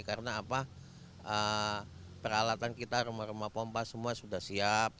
karena peralatan kita rumah rumah pompa semua sudah siap